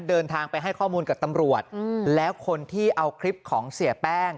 เดินทางไปให้ข้อมูลกับตำรวจแล้วคนที่เอาคลิปของเสียแป้ง